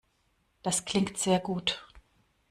Das klingt sehr gut.